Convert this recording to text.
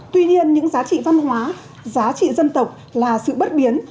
tuy nhiên những giá trị văn hóa giá trị dân tộc là sự bất biến